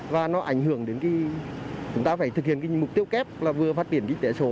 và nó ảnh hưởng đến khi chúng ta phải thực hiện mục tiêu kép là vừa phát biển kinh tế sổ